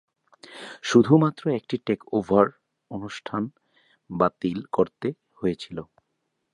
শুধুমাত্র একটি টেকওভার অনুষ্ঠান বাতিল করতে হয়েছিল।